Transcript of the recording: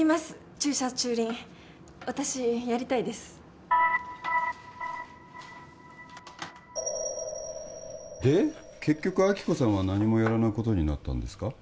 駐車・駐輪私やりたいですで結局亜希子さんは何もやらないことになったんですか？